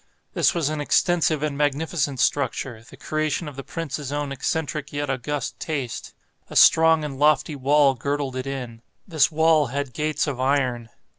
This was an extensive and magnificent structure, the creation of the prince's own eccentric yet august taste. A strong and lofty wall girdled it in. This wall had gates of iron.